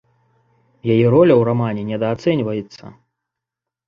Яе роля ў рамане недаацэньваецца.